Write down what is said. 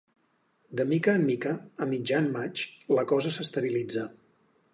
De mica en mica, a mitjan maig, la cosa s'estabilitza.